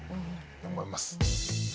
思います。